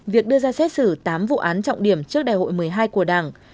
việc đưa ra xét xử tám vụ án trọng điểm trước đại hội một mươi hai của đảng